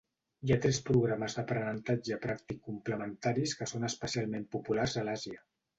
Hi ha tres programes d'aprenentatge pràctic complementaris que són especialment populars a l'Àsia.